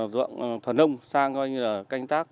dọn thuần nông sang coi như là canh tác